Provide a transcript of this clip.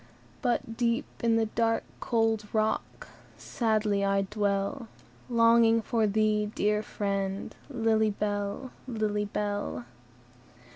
"But, deep in the dark, cold rock, Sadly I dwell, Longing for thee, dear friend, Lily Bell! Lily Bell!"